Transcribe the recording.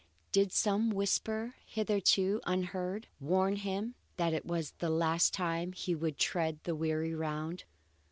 Did some whisper, hitherto unheard, warn him that it was the last time he would tread that weary round?